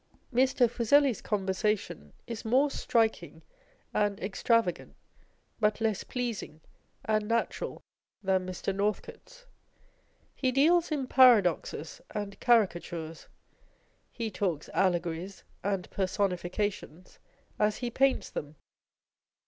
Mr, Fuseli's conversation is more striking and extrava gant, but less pleasing and natural than Mr. Northcote's. He deals in paradoxes and caricatures. He talks allegories and personifications as he paints them.